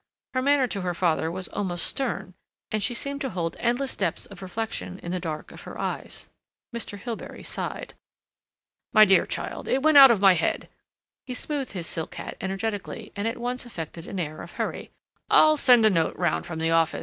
Her manner to her father was almost stern, and she seemed to hold endless depths of reflection in the dark of her eyes. Mr. Hilbery sighed. "My dear child, it went out of my head." He smoothed his silk hat energetically, and at once affected an air of hurry. "I'll send a note round from the office....